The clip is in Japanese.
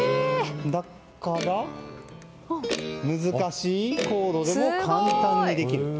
だから、難しいコードでも簡単にできる。